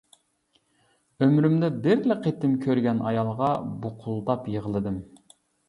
ئۆمرۈمدە بىرلا قېتىم كۆرگەن ئايالغا بۇقۇلداپ يىغلىدىم.